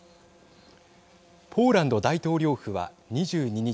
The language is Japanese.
ポーランド大統領府は２２日